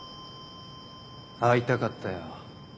会いたかったよ。